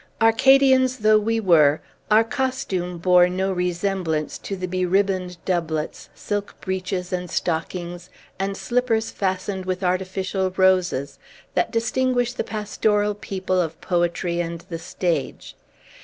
Arcadians though we were, our costume bore no resemblance to the beribboned doublets, silk breeches and stockings, and slippers fastened with artificial roses, that distinguish the pastoral people of poetry and the stage.